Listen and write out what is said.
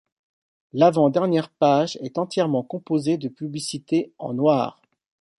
L'avant dernière page est entièrement composée de publicités en noir.